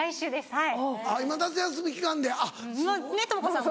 はい。